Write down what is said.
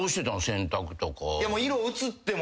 洗濯とか。